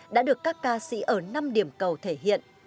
đã được các ca sĩ ở năm điểm cầu thể hiện